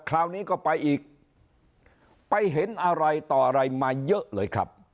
คราวนี้ก็ไปอีกไปเห็นอะไรต่ออะไรมาเยอะเลยครับ